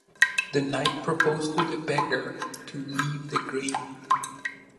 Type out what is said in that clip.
The knight proposed to the beggar to leave the grain.